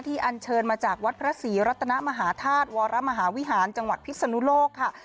อันเชิญมาจากวัดพระศรีรัตนมหาธาตุวรมหาวิหารจังหวัดพิศนุโลกค่ะ